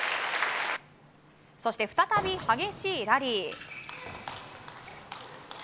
そして再び激しいラリー。